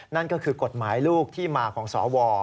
นั่นก็คือกฎหมายลูกที่มาของสว